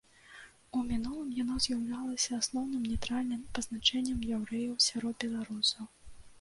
У мінулым, яно з'яўлялася асноўным нейтральным пазначэннем яўрэяў сярод беларусаў.